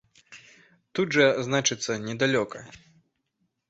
Тут жа, значыцца, недалёка.